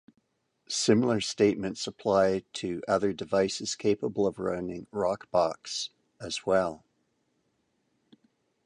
Similar statements apply to other devices capable of running Rockbox, as well.